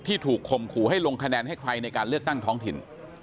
ถูกข่มขู่ให้ลงคะแนนให้ใครในการเลือกตั้งท้องถิ่น